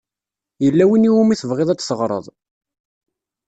Yella win i wumi tebɣiḍ ad teɣṛeḍ?